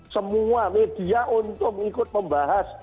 semua media untuk ikut membahas